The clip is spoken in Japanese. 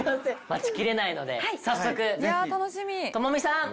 待ちきれないので早速友美さん